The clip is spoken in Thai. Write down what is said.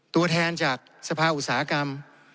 ตัวแทนจากสภาอุตสาหกรรม